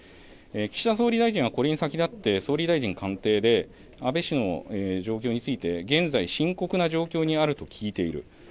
岸田総理大臣はこれに先立って総理大臣官邸で安倍氏の状況について現在、深刻な状況にあると聞いている。